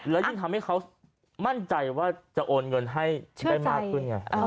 แล้วยิ่งทำให้เขามั่นใจว่าจะโอนเงินให้ได้มากขึ้นไง